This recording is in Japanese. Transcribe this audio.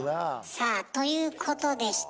さあということでした。